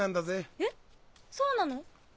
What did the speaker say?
えっそうなの？